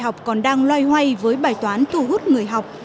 trường đại học còn đang loay hoay với bài toán thu hút người học